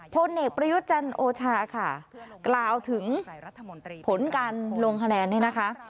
พลเอกประยุทธ์จันทร์โอชาค่ะกล่าวถึงผลการลงคะแนนเนี่ยนะคะ